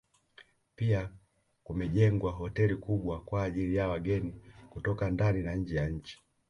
Pia kumejengwa hoteli kubwa kwa ajili ya wageni kutoka ndani na nje ya nchi